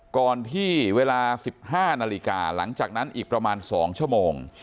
ก่อนที่เวลา๑๕นาฬิกาหลังจากนั้นอีกประมาณ๒ชั่วโมง